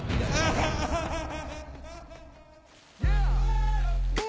ハハハハハ！